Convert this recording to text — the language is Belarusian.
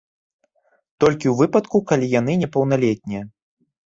Толькі ў выпадку, калі яны непаўналетнія.